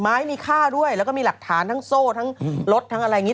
ไม้มีค่าด้วยแล้วก็มีหลักฐานทั้งโซ่ทั้งรถทั้งอะไรอย่างนี้